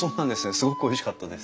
すごくおいしかったです。